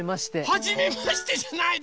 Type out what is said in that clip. はじめましてじゃないでしょ！